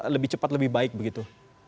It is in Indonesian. lebih cepat lebih baik begitu